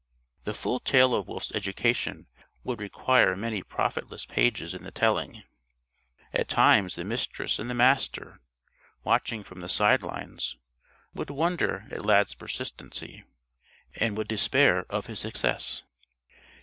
The full tale of Wolf's education would require many profitless pages in the telling. At times the Mistress and the Master, watching from the sidelines, would wonder at Lad's persistency and would despair of his success.